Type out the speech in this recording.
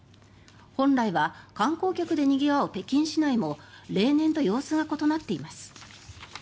本来は観光客でにぎわう北京市内も例年と様子が異なっています。